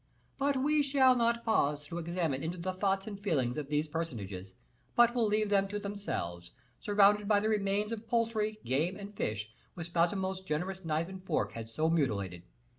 But we shall not pause to examine into the thoughts and feelings of these personages, but will leave them to themselves, surrounded by the remains of poultry, game, and fish, which Baisemeaux's generous knife and fork had so mutilated.